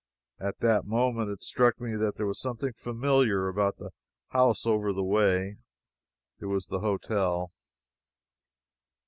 At that moment it struck me that there was something familiar about the house over the way. It was the hotel!